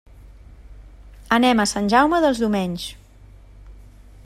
Anem a Sant Jaume dels Domenys.